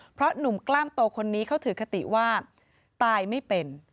เพราะหนุ่มกล้ามโตคนนี้เขาถือคติว่าตายไม่เป็น